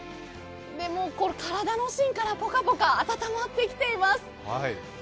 で、体の芯からぽかぽか温まってきています。